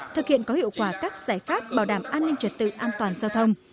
thực hiện có hiệu quả các giải pháp bảo đảm an ninh trật tự an toàn giao thông